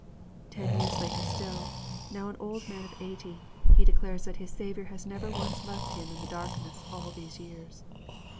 Ten years later still, now an old man of eighty, he declares that his Saviour has never once left him in the darkness all these years.